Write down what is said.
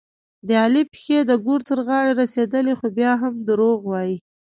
د علي پښې د ګور تر غاړې رسېدلې دي، خو بیا هم دروغ وايي.